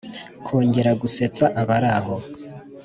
kongera gusetsa abaraho